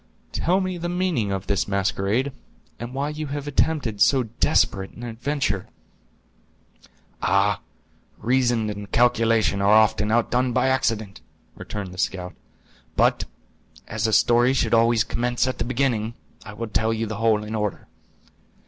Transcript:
"Tell me the meaning of this masquerade; and why you have attempted so desperate an adventure?" "Ah, reason and calculation are often outdone by accident," returned the scout. "But, as a story should always commence at the beginning, I will tell you the whole in order.